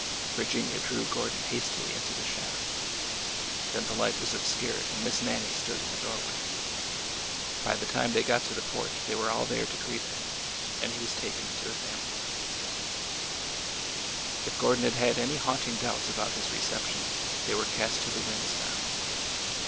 Virginia drew Gordon hastily into the shadow. Then the light was obscured and Miss Nannie stood in the doorway. By the time they got to the porch they were all there to greet him, and he was taken into the family room. 2i0 ^'TRIFLES LIGHT AS AIR" 217 If Gordon had had any haunting doubts about his re ception, they were cast to the winds now.